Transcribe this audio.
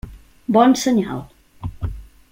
Bon senyal.